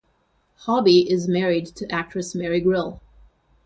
Hobby is married to actress Mary Grill.